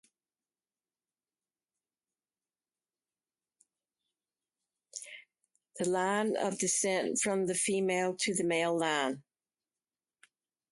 The line of descent from the female to the male line.